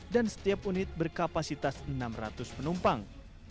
dan setiap unit berkapasitas enam ratus penumpang